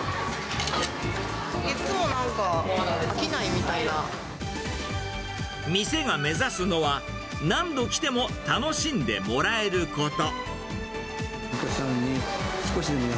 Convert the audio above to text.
いつもなんか、店が目指すのは、何度来ても楽しんでもらえること。